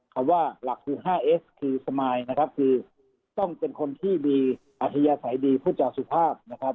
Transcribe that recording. คำว่าหลักคือ๕เอสคือสมายนะครับคือต้องเป็นคนที่มีอัธยาศัยดีพูดจาสุภาพนะครับ